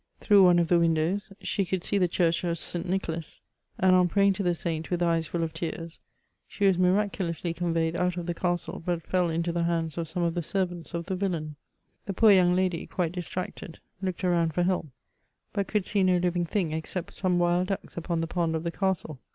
Through one of the windows she could see the church of Saint Nicholas, and, on praying to the saint, with eyes full of tears, she was mira culously conveyed out of the eastle, but fell into the hands of some of the servants of the villain. The poor young lady, quite dis tracted, looked around for help, but could see no living thing, except some wild ducks upon the pond of the castle.